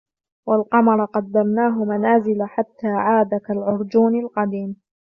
وَالْقَمَرَ قَدَّرْنَاهُ مَنَازِلَ حَتَّى عَادَ كَالْعُرْجُونِ الْقَدِيمِ